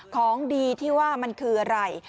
ของดีที่ว่ามันคืออะไร